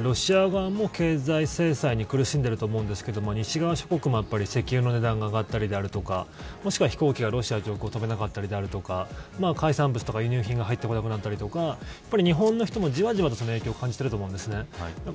ロシア側も経済制裁に苦しんでいると思うんですが西側諸国も石油の値段が上がったりもしくは飛行機がロシア上空を飛べなくなったりとか海産物とか輸入品が入ってこなくなったりとか日本の人も、じわじわと影響を感じていると思うんです。